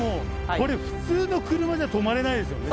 これ普通の車じゃ止まれないですよね。